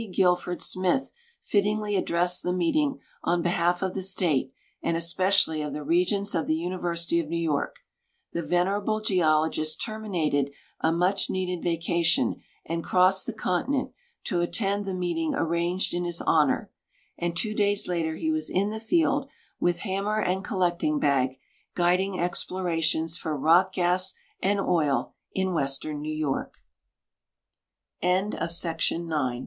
Guilford Smith littingly addressed the meeting on behalf of the State, and espe cially of the Regents of the University of New York. The venerable geologist terminated a much needed vacation and crossed the continent to attend the meeting arranged in his honor ; and two days later he was in the field, with hammer and collecting bag, guiding explorat